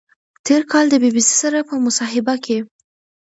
تېر کال د بی بی سي سره په مصاحبه کې